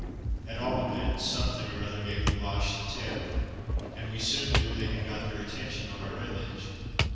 At all events, something or other gave the Boches the tip, and we soon knew they had got their attention on our village.